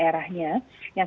terima kasih pak menteri